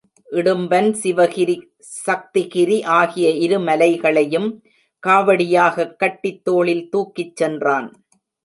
இடும்பன் சிவகிரி, சக்திகிரி ஆகிய இரு மலைகளையும் காவடியாகக் கட்டித் தோளில் தூக்கிச் சென்றான்.